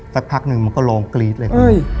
สักพักหนึ่งมันก็ร้องกรี๊ดเลยครับ